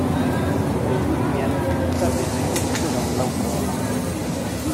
Negli ultimi anni di vita venne colpito da un glaucoma.